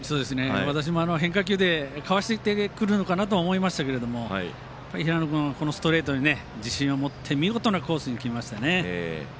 私も、変化球で交わしていってくるのかなと思いましたけど平野君はこのストレートに自信を持って見事なコースに決めましたね。